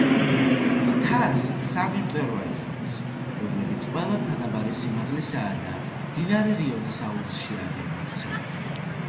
მთას სამი მწვერვალი აქვს, რომლებიც ყველა თანაბარი სიმაღლისაა და მდინარე რაინის აუზში არიან მოქცეული.